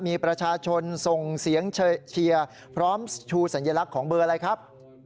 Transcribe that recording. มีประชาชนส่งเสียงเชียร์พร้อมชูสัญลักษณ์ของเบอร์อะไรครับ